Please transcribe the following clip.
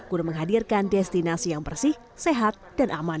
untuk menghadirkan destinasi yang bersih sehat dan aman